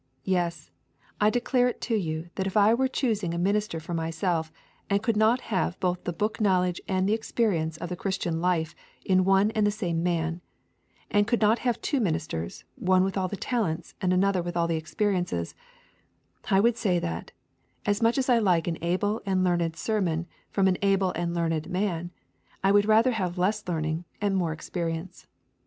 Yes, I declare to you that if I were choosing a minister for myself, and could not have both the book knowledge and the experience of the Christian life in one and the same man; and could not have two ministers, one with all the talents and another with all the experiences; I would say that, much as I like an able and learned sermon from an able and learned man, I would rather have less learning and more experience.